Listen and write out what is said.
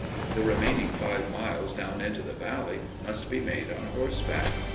The remaining five miles down into the valley must be made on horseback.